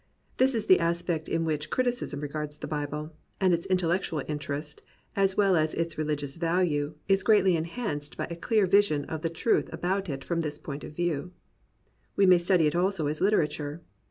This is the aspect in which criticism regards the Bible; and its intellectual interest, as well as its reHgious value, is greatly enhanced by a clear vision of the truth about it from this point of view. We may study it also as literature.